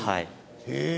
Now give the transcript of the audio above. へえ！